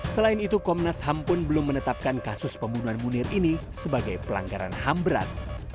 selain itu komnas ham pun belum menetapkan kasus pembunuhan munir ini sebagai pelanggaran ham berat